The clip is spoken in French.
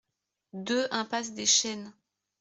deux iMPASSE DES CHENES